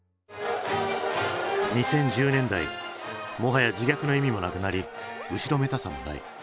２０１０年代もはや自虐の意味もなくなり後ろめたさもない。